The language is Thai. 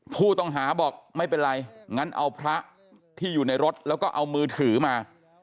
ผู้ต้องหาบอกไม่เป็นไรงั้นเอาพระที่อยู่ในรถแล้วก็เอามือถือมา